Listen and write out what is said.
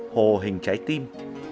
hồ hình trái tim